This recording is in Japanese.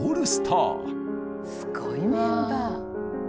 すごいメンバー！